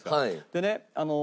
でね